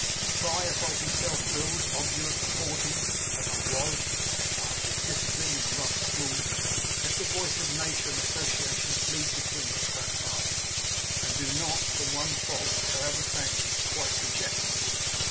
Try if I be self willed, obdurate, and haughty, as I was; or have been disciplined in a rough school. Let the voice of nature and association plead between us, Grandfather; and do not, for one fault, however thankless, quite reject me!